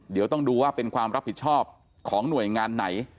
เดี๋ยวต้องดูว่าเป็นความรับผิดชอบของหน่วยงานไหน